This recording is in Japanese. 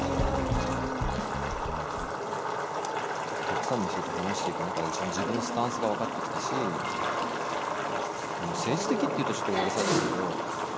たくさんの人と話していく中で自分のスタンスが分かってきたし政治的っていうとちょっと大げさですけど。